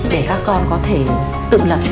để các con có thể tự lập trong cuộc sống của mình